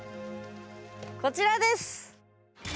こちらです！